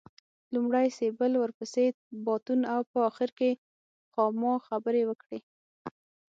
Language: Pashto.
لومړی سېبل ورپسې باتون او په اخر کې خاما خبرې وکړې.